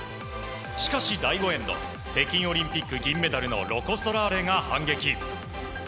しかし、第５エンド北京オリンピック銀メダルのロコ・ソラーレが反撃。